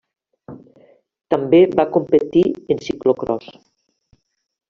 També va competir en ciclocròs.